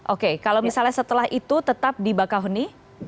oke kalau misalnya setelah itu tetap di bakahuni